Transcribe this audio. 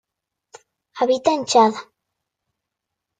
Habita en Chad.